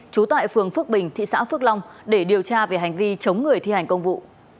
trú tại phường phước bình thị xã phước long để điều tra về hành vi chống người thi hành công vụ